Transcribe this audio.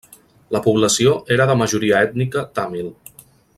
La població era de majoria ètnica tàmil.